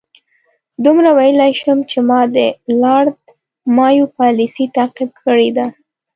دومره ویلای شم چې ما د لارډ مایو پالیسي تعقیب کړې ده.